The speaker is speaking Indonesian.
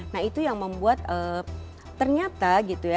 nah itu yang membuat ternyata gitu ya